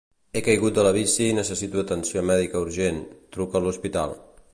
He caigut de la bici i necessito atenció mèdica urgent; truca a l'hospital.